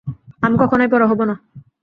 আমি কখনই বড় হব না।